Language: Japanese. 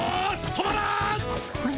止まらん！